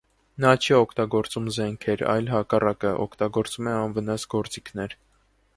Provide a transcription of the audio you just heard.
Նա չի օգտագործում զենքեր, այլ հակառակը՝ օգտագործում է անվնաս գործիքներ։